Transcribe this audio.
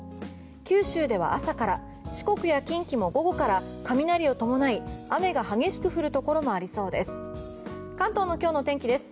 九州では朝から四国や近畿でも午後から雷を伴い雨が激しく降るところもありそうです。